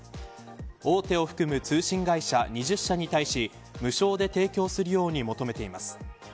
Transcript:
大手を含む通信会社２０社に対し無償で提供するように求めています。